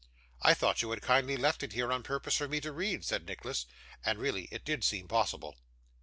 'I thought you had kindly left it here, on purpose for me to read,' said Nicholas. And really it did seem possible.